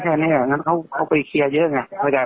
เดี๋ยวได้แค่นี้งั้นเขาไปเคลียร์เยอะเงียบเนี่ย